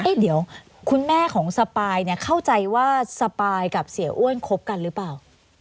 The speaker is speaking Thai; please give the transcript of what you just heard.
เดี๋ยวคุณแม่ของสปายเนี่ยเข้าใจว่าสปายกับเสียอ้วนคบกันหรือเปล่า